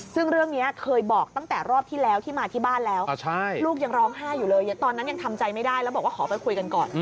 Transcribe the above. ซึ่งเรื่องนี้เคยบอกตั้งแต่รอบที่แล้วที่มาที่บ้านแล้วลูกยังร้องไห้อยู่เลยตอนนั้นยังทำใจไม่ได้แล้วบอกว่าขอไปคุยกันก่อน